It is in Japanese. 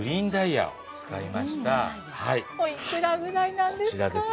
おいくらぐらいなんですか？